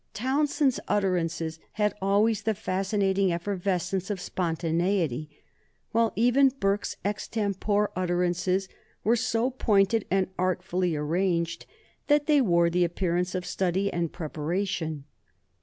Townshend's utterances had always the fascinating effervescence of spontaneity, while even Burke's extempore utterances were so pointed and artfully arranged that they wore the appearance of study and preparation.